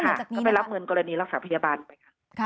ก็ไปรับเงินกรณีรักษาพยาบาลไปค่ะ